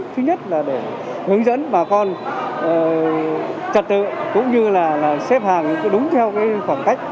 thứ nhất là để hướng dẫn bà con trật tự cũng như là xếp hàng đúng theo khoảng cách